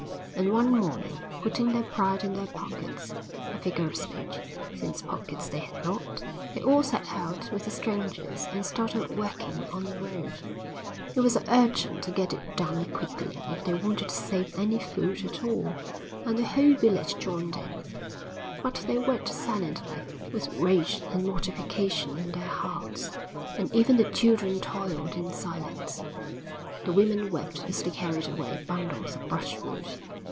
And one morning, putting their pride in their pockets, a figure of speech, since pockets they had not, they all set out with the strangers and started working on the road. It was urgent to get it done quickly if they wanted to save any food at all, and the whole village joined in. But they worked silently, with rage and mortification in their hearts, and even the children toiled in silence. The women wept as they carried away bundles of brushwood.